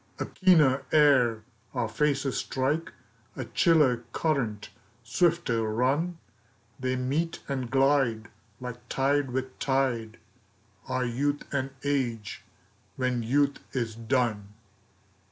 A keener air our faces strike, A chiller current swifter run; They meet and glide like tide with tide, Our youth and age, when youth is done.